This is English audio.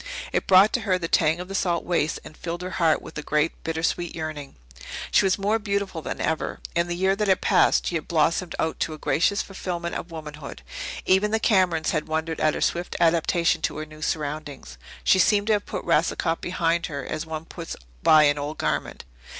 It brought to her the tang of the salt wastes and filled her heart with a great, bitter sweet yearning. She was more beautiful than ever. In the year that had passed she had blossomed out to a gracious fulfilment of womanhood. Even the Camerons had wondered at her swift adaptation to her new surroundings. She seemed to have put Racicot behind her as one puts by an old garment.